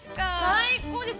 ◆最高です。